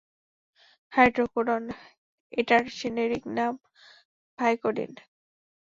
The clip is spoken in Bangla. হাইড্রোকোডোন, এটার জেনেরিক নাম ভাইকোডিন।